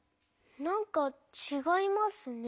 なんかちがいますね。